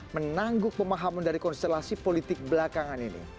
menangguk pemahaman dari konstelasi politik belakangan ini